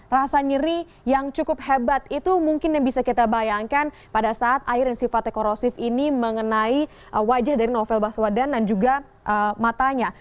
rasa nyeri yang cukup hebat itu mungkin yang bisa kita bayangkan pada saat air yang sifatnya korosif ini mengenai wajah dari novel baswedan dan juga matanya